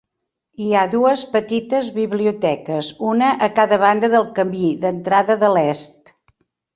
Hi ha dues petites biblioteques, una a cada banda del camí d'entrada de l'est.